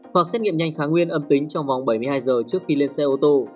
hoặc xét nghiệm nhanh kháng nguyên âm tính trong vòng bảy mươi hai giờ trước khi lên xe ô tô